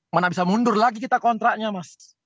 mana bisa mundur lagi kita kontraknya mas